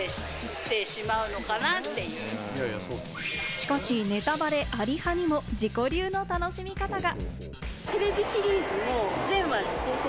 しかしネタバレあり派にも自己流の楽しみ方が。